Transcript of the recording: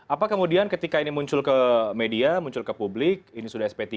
apa kemudian ketika ini muncul ke media muncul ke publik ini sudah sp tiga